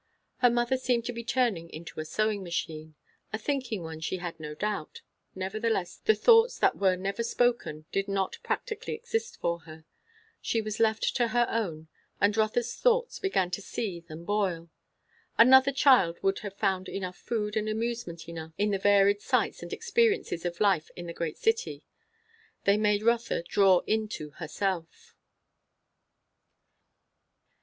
Her mother seemed to be turned into a sewing machine; a thinking one, she had no doubt, nevertheless the thoughts that were never spoken did not practically exist for her. She was left to her own; and Rotha's thoughts began to seethe and boil. Another child would have found food enough and amusement enough in the varied sights and experiences of life in the great city. They made Rotha draw in to herself.